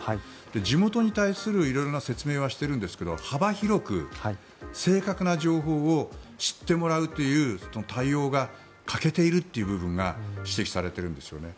地元に対する色々な説明はしているんですが幅広く正確な情報を知ってもらうという対応が欠けているという部分が指摘されているんですね。